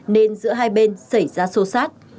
nên giữa hai bên xảy ra sâu sát